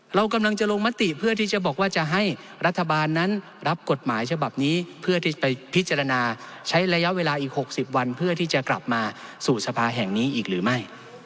เรากำลังจะลงมติเพื่อที่จะบอกว่าจะให้รัฐบาลนั้นรับกฎหมายฉบับนี้เพื่อที่จะไปพิจารณาใช้ระยะเวลาอีก๖๐วันเพื่อที่จะกลับมาสู่สภาแห่งนี้อีกหรือไม่